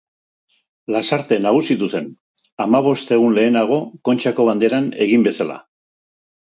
Lasarte nagusitu zen, hamabost egun lehenago Kontxako Banderan egin bezala.